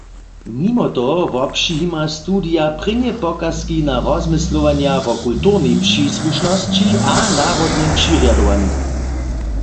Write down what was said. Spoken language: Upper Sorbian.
Nimo toho wopřijima studija prěnje pokazki na rozmyslowanja wo kulturnej přisłušnosći a narodnym přirjadowanju.